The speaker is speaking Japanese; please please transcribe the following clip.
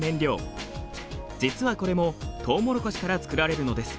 実はこれもトウモロコシから作られるのです。